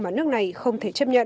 mà nước này không thể chấp nhận